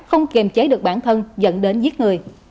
không kềm chế được bản thân dẫn đến giết người